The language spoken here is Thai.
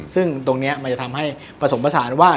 ซึ่งตรงนี้มันจะทำให้ผสมผสานว่า